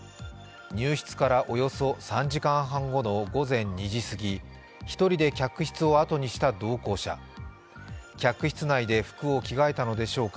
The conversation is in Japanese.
入室からおよそ３時間半後の午前２時過ぎ、１人で客室をあとにした同行者客室内で服を着替えたのでしょうか。